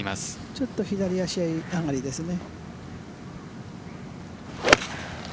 ちょっと左足上がりですね。